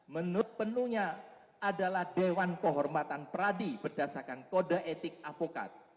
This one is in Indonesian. menurut penuhnya adalah dewan kehormatan pradi berdasarkan kode etik avokat